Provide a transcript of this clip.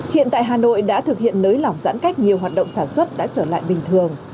hiện tại hà nội đã thực hiện nới lỏng giãn cách nhiều hoạt động sản xuất đã trở lại bình thường